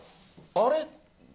あれ？